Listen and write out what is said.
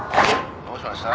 どうしました？